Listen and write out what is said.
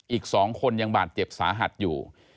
อีก๒คนยังบาดเจ็บสาหัสอยู่